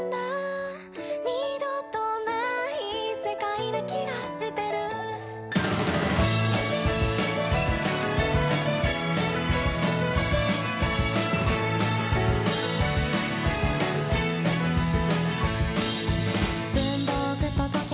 「二度とない世界な気がしてる」「文房具と時計